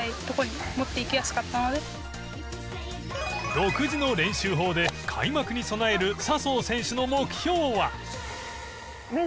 独自の練習法で開幕に備える笹生選手の目標は。